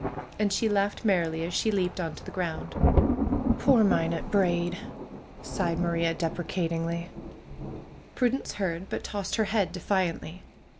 " And she laughed merrily as she leaped on to the ground. '^Poor Minot Braid !" sighed Maria, deprecatingly. Prudence heard, but tossed her head defiantly.